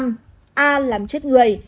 a làm chết người